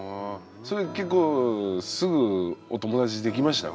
結構すぐお友達できました？